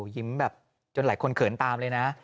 ยิ้มแบบจนหลายคนเขินตามเลยนะ